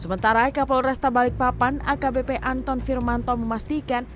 sementara kepulauan resta balikpapan akbp anton firmanto memastikan